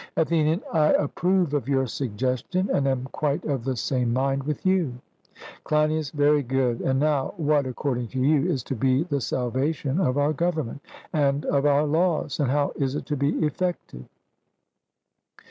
ATHENIAN: I approve of your suggestion, and am quite of the same mind with you. CLEINIAS: Very good: And now what, according to you, is to be the salvation of our government and of our laws, and how is it to be effected?